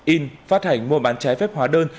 in phát hành mô bán trái phép hóa đơn